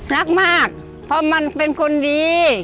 รักมากเพราะมันเป็นคนดี